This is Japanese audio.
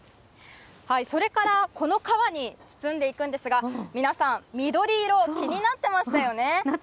それからこの皮に包んでいくんですが、皆さん、緑色、気になってましたよね。